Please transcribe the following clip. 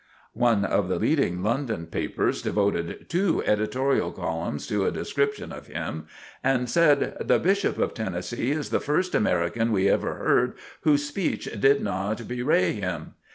One of the leading London papers devoted two editorial columns to a description of him and said; "The Bishop of Tennessee is the first American we ever heard whose speech did not bewray him."